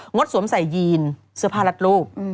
ดสวมใส่ยีนเสื้อผ้ารัดรูป